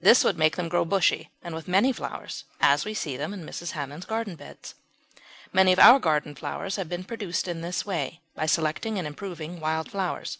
This would make them grow bushy and with many flowers, as we see them in Mrs. Hammond's garden beds. Many of our garden flowers have been produced in this way, by selecting and improving wild flowers.